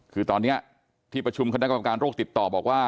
คือตอนนี้ที่ประชุมคณะกรรมการโรคติดต่อบอกว่า